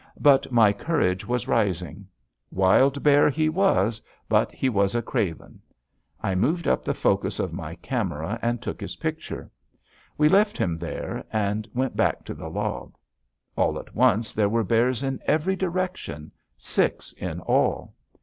But my courage was rising. Wild bear he was, but he was a craven. I moved up the focus of my camera and took his picture. We left him there and went back to the log. All at once there were bears in every direction, six in all.